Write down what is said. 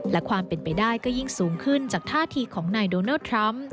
และความเป็นไปได้ก็ยิ่งสูงขึ้นจากท่าทีของนายโดนัลดทรัมป์